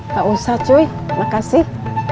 gak usah cuy makasih